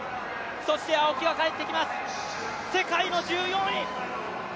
そして青木が帰ってきます、世界の１４位！